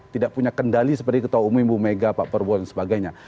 tidak punya kendali seperti ketua umum ibu mega pak prabowo dan sebagainya